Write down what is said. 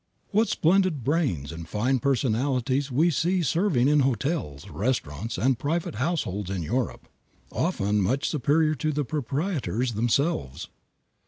What splendid brains and fine personalities we see serving in hotels, restaurants and private households in Europe often much superior to the proprietors themselves.